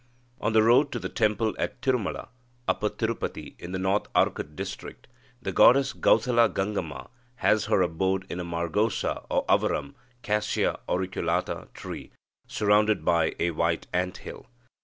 On the road to the temple at Tirumala (Upper Tirupati) in the North Arcot district, the goddess Gauthala Gangamma has her abode in a margosa or avaram (Cassia auriculata) tree, surrounded by a white ant hill.